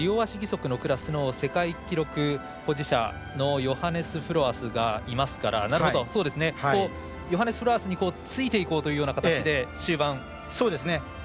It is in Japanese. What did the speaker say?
Ｔ６２、両足義足のクラスの世界記録保持者のヨハネス・フロアスがいますからヨハネス・フロアスについていこうという形で終盤。